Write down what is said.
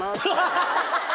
ハハハハ！